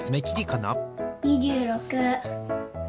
２６。